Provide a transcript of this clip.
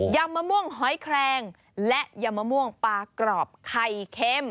ำมะม่วงหอยแครงและยำมะม่วงปลากรอบไข่เค็ม